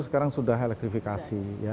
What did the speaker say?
sekarang sudah elektrifikasi